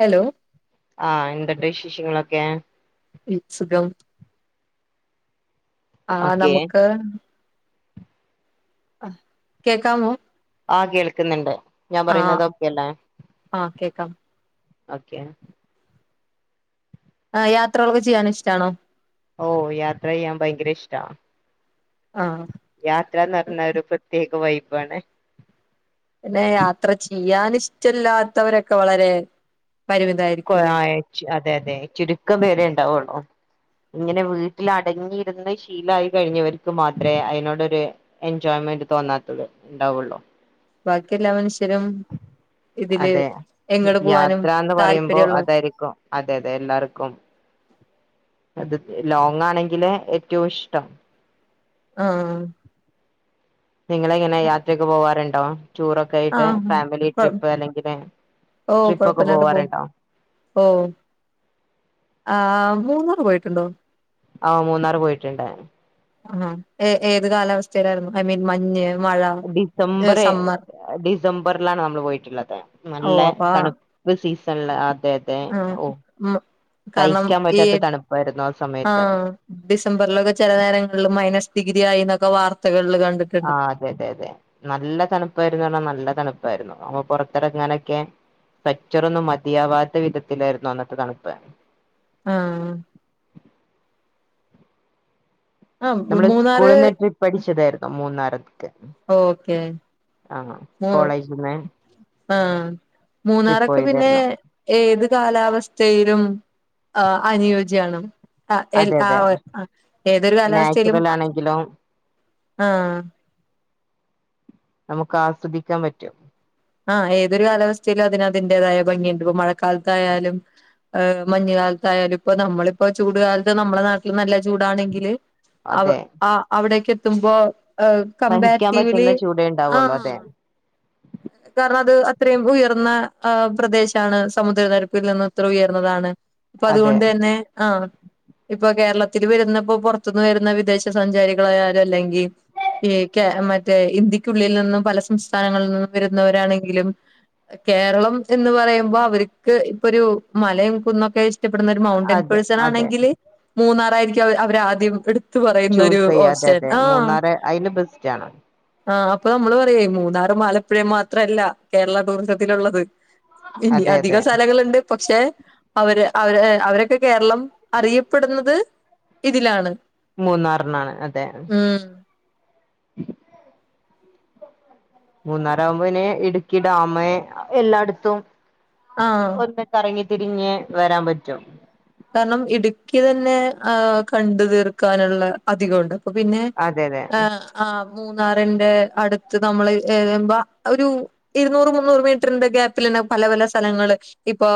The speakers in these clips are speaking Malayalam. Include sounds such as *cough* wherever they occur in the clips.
ഹലോ ആഹ് എന്തട്ട് വിശേഷ്യങ്ങളൊക്കെ? ഇസുഖം ആ ഓക്കെ നമുക്ക് ആ കേക്കമോ? ആ! കേൾക്കുന്നുണ്ട് ഞാൻ പറയുന്നതൊക്കെല്ലേ? ആ കേക്കാം ഓക്കെയാണ്. ആ യാത്രകളൊക്കെ ചെയ്യാൻ ഇഷ്ടാണോ? ഓ യാത്ര ചെയ്യാൻ ഭയങ്കര ഇഷ്ടാ. ആ യാത്രന്ന് പറഞ്ഞ ഒരു പ്രത്യേക വൈബാണ് പിന്നെ യാത്ര ചെയ്യാൻ ഇഷ്ടല്ലാത്തവരൊക്കെ വളരെ- കൊ പരിമിതായിരിക്കുംല്ലേ അതെ അതെ ചുരുക്കം പേരെ ഉണ്ടാവുള്ളോ. ഉ ഇങ്ങനെ വീട്ടിൽ അടങ്ങിയിരുന്ന് ശീലായി കഴിഞ്ഞവർക്ക് മാത്രമേ അതിനോടൊരു എൻജോയ്മെന്റ് തോന്നാത്തത് ഉണ്ടാവുള്ളോ. ബാക്കി എല്ലാ മനുഷ്യരും ഇതില്- അതെ എങ്ങട് പോവാനും യാത്രന്ന് പറയുമ്പോ താല്പര്യള്ള അതായിരിക്കും അതെ അതെ എല്ലാർക്കും അത് ലോങ്ങാണെങ്കില് ഏറ്റവും ഇഷ്ടം. ആ! നിങ്ങളെങ്ങനെ യാത്രയ്ക്കെ പോവാറുണ്ടോ? റ്റൂറൊക്കെ ആ ആയിട്ട് ഫാമിലി കൊ ട്രിപ്പ് അല്ലെങ്കില് ഓ ട്രിപ്പ് ഒക്കെ കൊഴപ്പില്ലാണ്ട് പോവും പോവാറുണ്ടോ? ഓ ആആ മൂന്നാറ് പോയിട്ടുണ്ടോ? ആഹ് മൂന്നാർ പോയിട്ട്ണ്ട ആഹ് ഏ ഏത് കാലാവസ്ഥയിലാരുന്നു ഐ മീൻ മഞ്ഞ് മഴ ഡിസംബറെ സമ്മർ ഡിസംബറിലാണ് നമ്മൾ പോയിട്ട്ള്ളത് ഓ നല്ല അപ്പൊ ആ തണുപ്പ് സീസണില് ത്തെ ത്തെ ഓ ഉം, കാരണം സഹിക്കാൻ ഈ പറ്റാത്ത തണുപ്പായിരുന്നു ആ സമയത്ത് ഡിസംബറിലൊക്കെ ചെല നേരങ്ങളില് മൈനസ് ഡി രിയായി എന്നൊക്കെ വാർത്തകൾ ആ അതെ അതെ അതെ നല്ല തണുപ്പായിര്ന്ന് പറഞ്ഞാ നല്ല തണുപ്പ് പ്പാരുന്നു പ്പം പൊറത്തിറങ്ങനൊക്കെ സെക്റ്ററൊന്നും മതിയാവാത്ത വിധത്തിലായിരുന്നു അന്നത്തെ തണുപ്പ് ആഹ് ആഹ് നമ്മള് മൂന്നാറ് സ്കൂളിന്ന് ട്രിപ്പഠിച്ചതാരുന്നു മൂന്നാറ്ക്ക് ഓക്കെ മൊ കോളേജിന്ന് ആഹ് ട്രിപ്പ് മൂന്നാറൊക്കെ പിന്നെ പോയതായിരുന്നു ഏത് കാലാവസ്ഥയിലും ആ അനുയോജ്യണ് ആ എ അതെ ആ അതെ ആ ഏതൊരു കാലാവസ്ഥയിലും നാച്ചുറൽ ആ ആണെങ്കിലും ആഹ് നമുക്ക് ആസ്വദിക്കാൻ പറ്റും ആ ഏതൊരു കാലാവസ്ഥയിലും അതിനതിന്റേതായ ഭംഗിയ്ണ്ട് മഴക്കാലത്തായാലും മഞ് കാലത്തായാലും ഇപ്പ നമ്മളിപ്പോ ചൂടുകാലത്ത് നമ്മുടെ നാട്ടില് നല്ല ചൂടാണെങ്കില് അവ അതെ അവിടേക്ക് എത്തുമ്പോ ആ സഹിക്കാൻ കമ്പാരിറ്റീവ് ലി പറ്റുന്ന ചൂടേ ഉണ്ടാവുള്ളൂ ആഹ് അതെ കാരണം അത് അത്രയും ഉയർന്ന പ്രദേശം ആണ് സമുദ്രനിരപ്പിനിന്ന് ഇത്ര ഉയർന്നതാണ് അപ്പ അതെ അതുകൊണ്ട് തന്നെ ആഹ് ഇപ്പൊ കേരളത്തില് വരുന്നപ്പോ പുറത്തുന്ന് വരുന്ന വിദേശ സഞ്ചാരികളായാലും അല്ലെങ്കി ഈ കേ മറ്റേ ഇന്ത്യക്കുള്ളിനിന്നും പല സംസ്ഥാനങ്ങളിനിന്നും വരുന്നവരാണെങ്കിലും കേരളം എന്ന് പറയുമ്പോ അവർക്ക് ഇപ്പൊ ഒരു മലയും കുന്നൊക്കെ ഇഷ്ടപ്പെടുന്ന ഒരു മൗണ്ടൈൻ അതെ പേഴ്സൺ അതെ ആണെങ്കില് മൂന്നാറാരിക്കും അവ അവരാദ്യം എടു ത്ത് പറയുന്നൊരു ചൂസ് ചെയ്യ അതെ ഓഷൻ അതെ ആഹ് മൂന്നാറ് അതിന് ബെസ്റ്റ് ആണ് ആഹ് അപ്പൊ നമ്മള് പറയെ ഈ മൂന്നാറ് ആലപ്പുഴ മാത്രല്ല കേരള ടൂറിസത്തിലുള്ളത് ഇനി അതെ അധിക അതെ സ്ഥലങ്ങളുണ്ട് പക്ഷേ അവര് അവര് അവരൊക്കെ കേരളം അറിയപ്പെടുന്നത് ഇതിലാണ് മൂന്നാറ് ന്നാണ് അതെ ഉം മൂന്നാറ് ആകുമ്പോ പിന്നെ ഇടുക്കി ഡാമ് എല്ലാടത്തും ആഹ് ഒന്ന് കറങ്ങി തിരിഞ് വരാൻ പറ്റും കാരണം ഇടുക്കി തന്നെ ആ കണ്ടു തീർക്കാനുള്ള അധികംഒണ്ട് പിന്നെ അതെ അതെ ആഹ് മൂന്നാറിന്റെ അടുത്ത് നമ്മള് ഏൽമ്പം ഒരു ഇരുന്നൂറ് മുന്നൂറ് മീറ്ററിന്റെ ഗ്യാപ്പിൽ തന്നെ പല പല സ്ഥലങ്ങള് ഇപ്പൊ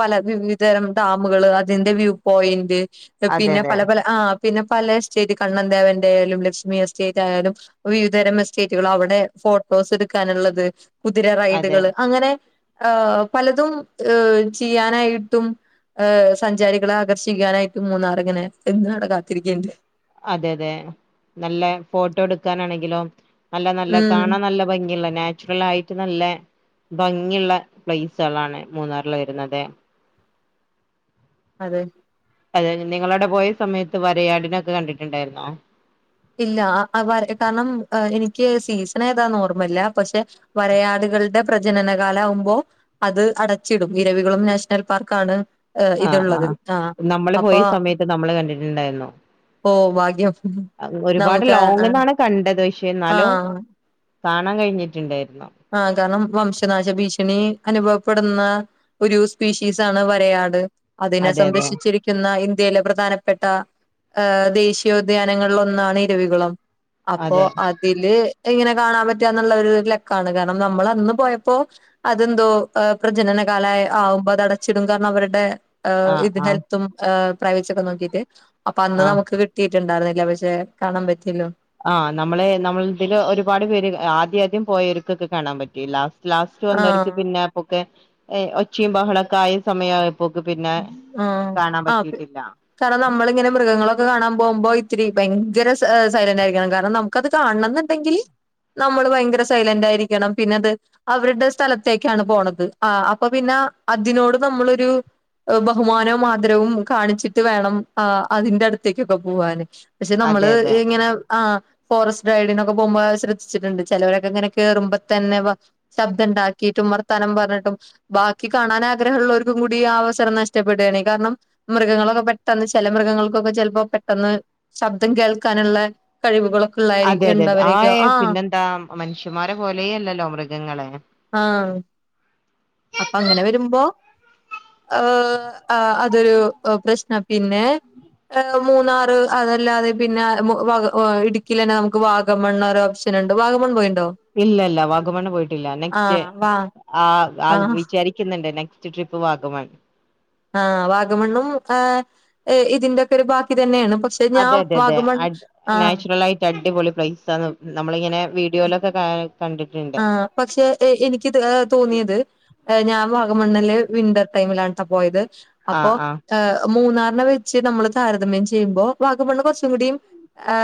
പല വിവിധതരം ഡാമുകള് അതിന്റെ വ്യൂ പോയന്റ് അതെ പിന്നെ അതെ പല പല ആ പിന്നെ പല എസ്റ്റേറ്റ് കണ്ണദേവന്റെ ആയാലും ലക്ഷ്മി എസ്റ്റേറ്റ് ആയാലും വിവിധതരം എസ്റ്റേറ്റുകൾ അവിടെ ഫോ ട്ടോസ് എടുക്കാനുള്ളത് കുതിര അതെ റൈഡുകള് അങ്ങനെ ആഹ് പലതും ഏ ചെയ്യാനായിട്ടും ഏ സഞ്ചാരികളെ ആകർഷിക്കാനായിട്ട് മൂന്നാറിങ്ങനെ എന്നും അവിടെ കാത്തിരിക്ക്ണ്ട് അതെ അതെ നല്ല ഫോട്ടോ എടുക്കാനാണെങ്കിലും നല്ല നല്ല ഉം കാണാൻ നല്ല ഭംഗിയൊള്ള നാച്ചുറൽ ആയിട്ട് നല്ല ഭംഗിയുള്ള പ്ലേസ്കളാണ് മൂന്നാറില് വരുന്നത് അതെ അതെ നിങ്ങളവിടെ പോയ സമയത്ത് വരയാടിനൊയൊക്കെ കണ്ടിട്ട്ണ്ടായിരുന്നോ ഇല്ല ആ ആ വര കാരണം എനിക്ക് സീസൺ ഏതാ ഓർമല്ല പഷേ വരയാട് കൾടെ പ്രജനനകാലാവുമ്പോ അത് അടച്ചിടും ഇരവികുളം നാഷണൽ പാർക്കാണ് ഏ ആഹ് ഇത്ള്ളത് ആഹ് ആ നമ്മള് പോയ അപ്പൊ സമയത്ത് നമ്മള് ഓ വാഗ്യം അഹ്‌ ഒരുപാട് ലോങ്ങ്ന്നാണ് കണ്ടത് പക്ഷേ ന്നാലും ആഹ് കാണാൻ കഴിഞ്ഞിട്ട് ണ്ടായി ആ കാരണം വംശനാശ ഭീഷണി അനുഭവപ്പെടുന്ന ഒരു സ്പീഷീസാണ് വരയാട് അതിനെ അതെ അതെ സംരക്ഷിച്ചിരിക്കുന്ന ഇൻ ന്ത്യയിലെ പ്രധാനപ്പെട്ട ഏ ദേശീയോദ്യാനങ്ങളിൽ ഒന്നാണ് ഇരവികുളം അപ്പൊ അതെ അതില് എങ്ങനെ കാണാൻ പറ്റ്ന്ന്ള്ള ഒരു ല ക്കാണ് കാരണം നമ്മള് അന്ന് പോയപ്പോ അതെന്തോ എ പ്രജനനകാല ആയെ ആവുമ്പോ അത്ടച്ചിടും കാര അവര്ടെ ഏ ആഹ് ഇത് ആഹ് ഹെൽത്തുംഏ പ്രൈവസി ഒക്കെ നോക്കിട്ട് അപ്പൊ അന്ന് ആഹ് നമുക്ക് കിട്ടിയിട്ട്ണ്ടായിര് ന്ന് ല്ല പക്ഷെ കാണാ പറ്റില്ലോ ആ നമ്മളെ നമ്മള് ഇതില് ഒരുപാട് പേര് ആദ്യം ആദ്യം പോയര്ക്കൊക്കെ കാണാൻ പറ്റില്ല ലാസ്റ്റ് വന്നവർക്ക് ആഹ് പിന്നെ അപ്പൊക്കെഏ ഒച്ചയും ബഹളൊക്കെ ആയ സമയാ ആ ആ പി കാരണം നമ്മളിങ്ങനെ മൃഗങ്ങളൊക്കെ കാണാൻ പോവുമ്പോ ഇത്തിരി ഭയങ്കര സ സൈലന്റ് ആയിരിക്കണം കാരണം നമുക്കത് കാണണന്ന്ണ്ടെങ്കില് നമ്മള് ഭയങ്കര സൈലന്റ് ആയിരിക്കണം പിന്നെ അത് അവര് ടെ സ്ഥലത്തേക്കാണ് പോണത് ആ അപ്പൊ പിന്നെ അ അതിനോട് നമ്മളൊരു ബഹുമാനവും ആദരവും കാണിച്ചിട്ട് വേണം ആ അതിന്റെ അടുത്തേക്കൊക്കെ പോവാന് പക്ഷെ അതെ നമ്മള് അതെ ഇങ്ങനെ ആ ഫോറസ്റ്റ് റൈഡിനൊക്കെ പോവുമ്പ ശ്രദ്ധിച്ചിട്ട്ണ്ട് ചെലൊരൊക്കെ ഇങ്ങനെ കേറുമ്പ തന്നെവ ശബ്ദം ഇ ണ്ടാക്കിയിട്ട് ഇമ്മർത്താനം പറഞ്ഞിട്ടും ബാക്കി കാണാൻ ആഗ്രഹ ഉള്ളോര്ക്കും കൂടി ആ അവസ സരം നഷ്ടപ്പെടുകയാണ് കാരണം മൃഗങ്ങളൊക്കെ പെട്ടെന്ന് ചെല മൃഗങ്ങൾക്കൊക്കെ ചെല്പ്പോ പെട്ടെന്ന് ശബ്ദം കി കേൾക്കാന് ള്ള കഴിവുകളും അതെ അതെ അതെ ആ ഏ പിന്നെന്താ മനുഷ്യമാരെ പോലേ അല്ലല്ലോ മൃഗങ്ങള് ആ അപ്പ അങ്ങനെ വരുമ്പോ ഏ ആ അതൊരു പ്രശ്നം പിന്നെ എ ഇപ്പം മൂന്നാറ് അതല്ലാതെ പിന്നെ മു വ ഇടുക്കിലെന്നെ നമുക്ക് വാഗമണ്ണ് ഒര് ഓപ്ഷൻ ഇണ്ട് വാഗമൺ പോയിണ് ഇല്ല ഇല്ല വാഗമണ്ണ് പോയിട്ടില്ല നെക്സ്റ്റ് ആഹ് വാ ആ വ് ആഹ് വിചാരിക്ക്‌ ണ്ട് നെക്സ്റ്റ് ട്രിപ്പ് വാഗമൺ ആ വാഗമണ്ണും ഏ ഇതിന്റെക്കെ ഒരു ബാക്കി തന്നെയാണ് പക്ഷെ അതെ ഞാൻ അതെ അതെ വാഗമൺ അത് ആഹ് നാച്ചുറലാ യിട്ട് അടിപൊളി പ്ലൈസാന്ന് നമ്മളിങ്ങനെ വീഡിയോലൊ ക്ക കാ ആ പക്ഷെ എ എനിക്ക് ഏ തോന്നിയത് ഏ ഞാൻ വാഗമണ്ണ്ല് വിന്റർ ടൈമിലാണ് ട്ട പോയത് അപ്പോ ആഹ് ആഹ് ആ മൂന്നാറിന വെച്ച് നമ്മള് താരതമ്യം ചെയ്യുമ്പോ വാഗമണ്ണ് കൊറച്ചും കൂടി ഏ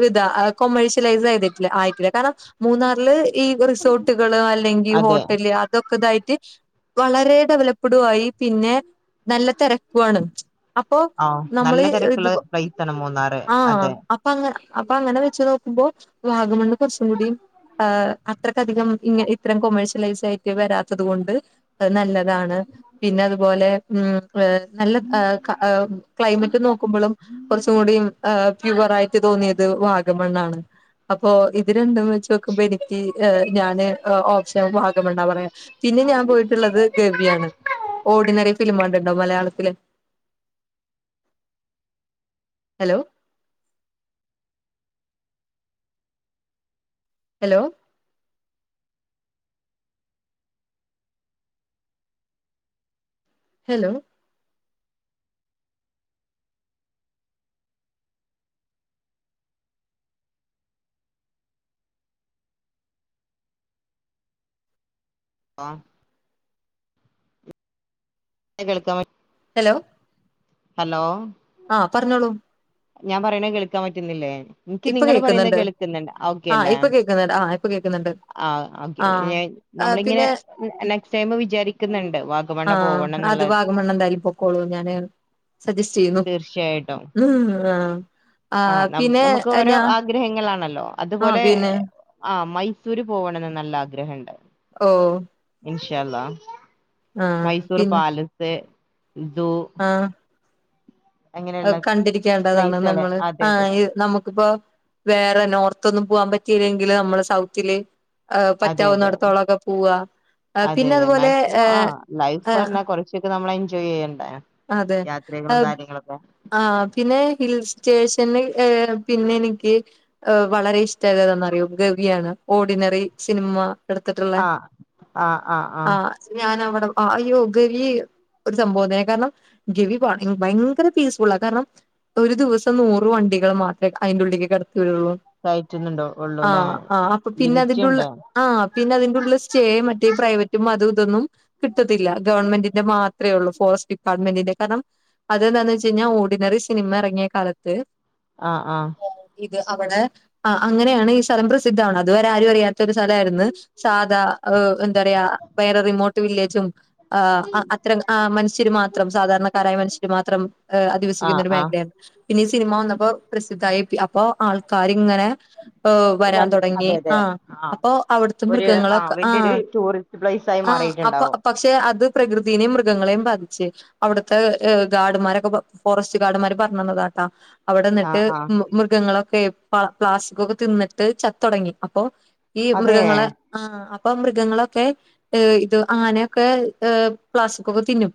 ര് ഇതാ കൊമേഴഷ്യലൈസ്യ്തിട്ടില്ല ആയിട്ടില്ല കാരണം മൂന്നാറില് ഈ റിസോർട്ടുകള് അല്ലെങ്കി അതെ ഹോട്ടല് അതൊക്കെതായിട്ട് വളരെ ഡെവലപ്പ്ടു ആയി പിന്നെ നല്ല തെര ക്കു ആണ് അപ്പൊ ആഹ് നമ്മള് നല്ല ഇത് തിരക്കുള്ള പ്ലേസ് ആണ് മൂന്നാറ് ആ അതെ അപ്പ ങ്ങന അപ്പൊ അങ്ങനെ വെച്ചു നോക്കുമ്പോ വാഗമണ്ണ് കൊറച്ചും കൂടിം ആ അത്രക്കധികം ഇങ്ങ ഇത്രേം കൊമേഴഷ്യലൈസ് ആയിട്ട് വരാത്തത് കൊണ്ട് നല്ലതാണ് പിന്നെ അതുപോലെ മ് വ് നല്ല ക്ലൈമറ്റ് നോക്കുമ്പളും കൊ റച്ചും കൂടി ക്യുവറായിട്ട് തോന്നിയത് വാഗമണ്ണാണ് അപ്പൊ ഇത് രണ്ടും വെച്ച് ക്കുമ്പോ എനി വാഗമണ്ണാ പറയാ പിന്നെ ഞാൻ പോയിട്ടുള്ളത് ഗവിയാണ് പിന്നെ അലോ ഹലോ ഹലോ ആ കേൾക്കാൻ ഹലോ ഹലോ ആ പറഞ്ഞോളൂ ഞാൻ പറയണ കേൾക്കാൻ പറ്റുന്നില്ലേ എനിക്ക് ഇപ്പൊ നിങ്ങള് പറയുന്ന കേക്കുന്നുണ്ട് കേൾക്കുന്നുണ്ട് ഓക്കെ അല്ലേ പ്പ കേൾക്കുന്നുണ്ട് ആ ഓക്കെ നമ്മളിങ്ങനെ നെക്സ്റ്റ് ടൈം വിചാരിക്കുന്നുണ്ട് വാഗമണ്ണ് പോവണം വാഗമൺ എന്താലും പൊക്കൊളു ഞാൻ സജസ്റ്റ് ചെയ്യുന്നു തീർച്ചയായിട്ടും ആ ആ ആഹ് ന പിന്നെ നമുക്ക് ഓരോ ഞാ ആഗ്രഹങ്ങളാണല്ലോ ആഹ് അതുപോലെ പിന്നെ ആ മൈസൂര് പോകണംന്ന് നല്ല ആഗ്രഹംണ്ട് ഓ ഇൻഷാല്ല ആഹ് മൈസൂർ പിന്നെ പാലസ് ആഹ് അങ്ങനെയുള്ള കണ്ടിരിക്കേണ്ടതാണ് പ്ലേസുകള് നമ്മള് അതെ ആ അതെ നമുക്കിപ്പോ വേറെ നോർത്ത്ന്നും പോവാൻ പറ്റിയില്ലെങ്കില് നമ്മള് സൗത്തില് ആ അതെ അതെ അതെ പറ്റാവുന്നിടത്തോളൊക്കെ പോവാ ആ, അതെ പിന്നെ അതെ അതുപോലെ മാക്സിമം ആ ഏഹ് ലൈഫ് ഏഹ് പറഞ്ഞാ കുറച്ചൊക്കെ നമ്മള അതെ കാര്യങ്ങളൊക്കെ ആ പിന്നെ ഹിൽ സ്റ്റേഷൻ ഏ പിന്നെ എനിക്ക് വളരെ ഇഷ്ടമായത്താന്ന അറിയോ ഗവിയാണ് ഓർഡിനറി സിനിമ എട്ത്തിട്ടള്ളെ ആ ആ ഞ *inaudible* ആ യോഗൽ ഒരു സംഭവംന്ന കാരണം ഗവിബ ഭയങ്കര പീസ്ഫുളാ കാരണം ഒരു ദിവസം നൂറ് വണ്ടികൾ മാത്രെ അയിന്റെ ഉള്ളിലക്ക് കടത്തി വിള്ളൂ കയറ്റുന്നുണ്ടോ ആ ഉള്ളൂല്ലേ ആ് അപ്പൊ പിന്നെ ലിമിറ്റ് അതിന്റെ ഉണ്ട് ആ പിന്നെ അതിറുള്ള സ്റ്റേ മറ്റേ പ്രൈവറ്റ് റ്റും അ ഇതൊന്നും കിട്ടത്തില്ല ഗവൺമെന്റിന്റെ മാത്രേ ഉള്ളൂ ഫോറസ്റ്റ് ഡിപ്പാർട്ട്മെന്റിന്റെ കാരണം അതെന്താണന്ന് വെച്ച് കഴിഞ്ഞാൽ ഓർഡിനറി സിനിമ ഇറങ്ങിയ കാലത്ത് ആഹ ആഹ അവിടെ അങ്ങനെയാണ് ഈ സ്ഥലം പ്രസിദ്ധ അത്വരെ ആരും അറിയാത്ത ഒരു സ്ഥലമായിരുന്നു സാധാ എന്താ പറയാ വേറെ റിമോട്ട് വില്ലേജും അ മനുഷ്യർ മാത്ര സാധാരണക്കാരായ മനുഷ്യർ മാത്രം ആ അധിവസിക്കുന്ന ഒരു ആ മേഖലയാണ് പിന്ന ഈ സിനിമ വന്നപ്പോ പ്രസിദ്ധായി അപ്പോ ആൾക്കാർ ഇങ്ങനെ ഏ വരാൻ വൻ തുടങ്ങി അതെ അതെ ആഹ ആ അപ്പൊ അവിടുത്തെ ഒരു ആ മൃഗങ്ങളൊക്കെ ആഹ വലിയൊരു ടൂറിസ്റ്റ് പ്ലേസ് ആയി ആ അപ്പൊ മാറിയിട്ടുണ്ടാവും പക്ഷെ അത് പ്രകൃതിനേും മൃഗങ്ങളെയും ബാധിച്ച് അവിടുത്തെ ഏ ഗാർഡ്മാരൊക്കെ ഫോറസ്റ്റ് ഗാർഡ്മാര് പറഞ്ഞുതാട്ടാ അവിടെ ആ നിന്നിട്ട് ആ മൃഗങ്ങളൊക്കെ പ പ്ലാസ്റ്റിക്കോക്കെ തിന്നിട്ട് ചത്തടങ്ങി അപ്പൊ ഈ അതെ മൃഗങ്ങള് ആ ഇപ്പൊ മൃഗങ്ങളൊക്കെ ഇത് അങ്ങനെയൊക്കെ പ്ലാസ്റ്റിക്കൊക്കെ തിന്നും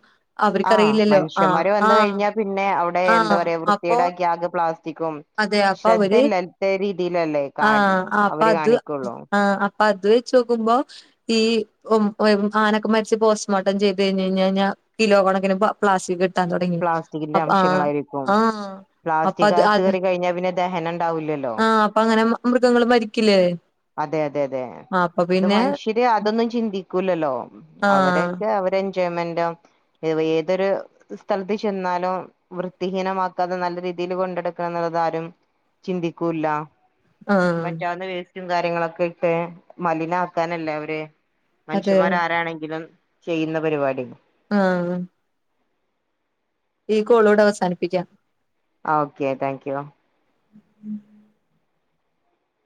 ആഹ് അവർക്കറിയില്ലല്ലോ ആ മനുഷ്യന്മാര് വന്ന ആ കഴിഞ്ഞാൽ പിന്നെ അവിടെ ആ എന്താ പറയാ അപ്പൊ വൃത്തിയുടെ യാഗ് പ്ലാസ്റ്റിക്കും അതെ അപ്പൊ അവര് ശ്രദ്ധ ലലത്ത രീതിയിലല്ലേ ആ കാ ആ, അപ്പൊ അവര് അത് കാണിക്കുള്ളൂ ആഹ് അപ്പൊ അത് വെച്ച് നോക്കുമ്പോ ഈ ആനൊക്കെ മരിച്ച് പോസ്റ്റ്മോർട്ടം ചെയ്ത് കഴിഞ് കഴിഞ്ഞഞ് കഴിഞ്ഞാൽ കിലോ കൊണക്കിന് പ്ലാസ്റ്റിക് കിട്ടാൻ തുടങ്ങി പ്ലാസ്റ്റിക്കിന്റെ അപ്പ ആ അംശങ്ങളായിരിക്കും ആ അപ്പ പ്ലാസ്റ്റിക് അത് അകത്ത് അത് കേറി കഴിഞ്ഞാ പിന്നെ ദഹനം ഉണ്ടാവൂല്ലല്ലോ ആഹ അപ്പൊ അങ്ങനെ മൃഗങ്ങൾ മരിക്കില്ലേ അതെ അതെ അതെ ആ അപ്പൊ ഇത് പിന്നെ മനുഷ്യര് അതൊന്നും ചിന്തിക്കൂല്ലല്ലോ ആഹ് അവരൊക്കെ അവരെ ഏതൊരു സ്ഥലത്ത് ചെന്നാലോ വൃത്തിഹീനമാക്കാതെ നല്ല രീതിയിൽ കൊണ്ടടുക്കണം എന്നുള്ളതാരും ചിണ്ടിക്കൂല്ല ആഹ് പറ്റാവുന്ന വേസ്റ്റും കാര്യങ്ങളൊക്കെ ഇട്ടെ മലിനം ആക്കാനല്ലേ അവര് അതെ മനുഷ്യമാർ ആരാണെങ്കിലും ചെയ്യുന്ന പരിപാടി ആഹ ഈ കോളോട് അവസാനിപ്പിക്കാം ആ ഓക്കെ താങ്ക് യു ഉം